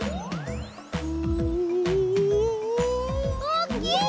おっきい！